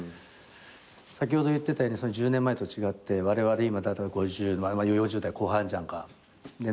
先ほど言ってたように１０年前と違ってわれわれ今だいたい５０４０代後半じゃんか。